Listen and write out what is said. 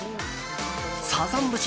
サザン節